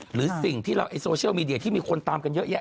หรือสิ่งที่เราโซเชียลมีเดียที่มีคนตามกันเยอะแยะ